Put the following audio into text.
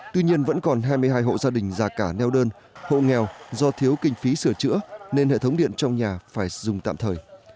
tuy nhiên vẫn còn hai mươi hai hộ gia đình già cả neo đơn hộ nghèo do thiếu kinh phí sửa chữa nên hệ thống điện trong nhà phải dùng tạm thời